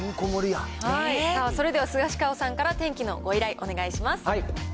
それでは、スガシカオさんから天気のご依頼お願いします。